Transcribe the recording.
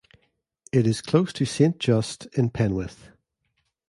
It is close to Saint Just in Penwith.